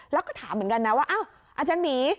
แล้วก็ถามเหมือนกันนะว่าอ้าวอาจารย์หมี